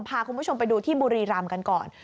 พาคุณผู้ชมไปดูที่บุรีรำกันก่อน